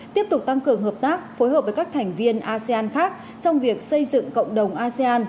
tiếp tục tăng cường hợp tác phối hợp với các thành viên asean khác trong việc xây dựng cộng đồng asean